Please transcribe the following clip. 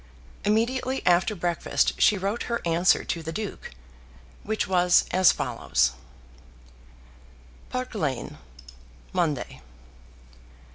Immediately after breakfast she wrote her answer to the Duke, which was as follows: Park Lane, Monday.